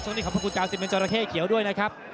ช่วงนี้ขอบคุณครับสิบเงินจอระเข้เขียวด้วยนะครับ